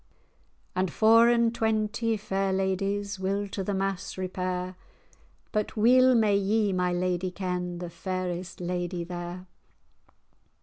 [#] birch. And four and twenty fair ladyes Will to the Mass repair; But weel may ye my ladye ken, The fairest ladye there."